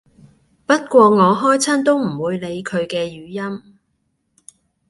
不過我開親都唔會理佢嘅語音